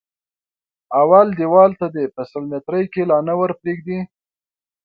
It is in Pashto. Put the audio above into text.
اول دېوال ته دې په سل ميتري کې لا نه ور پرېږدي.